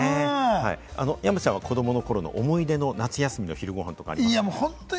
山ちゃんは子どもの頃の思い出の夏休みの昼ごはん、ありますか？